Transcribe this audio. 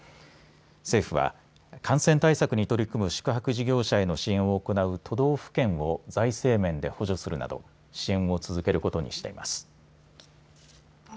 政府は感染対策に取り組む宿泊事業者への支援を行う都道府県を財政面で補助するなど支援を続けることにしています。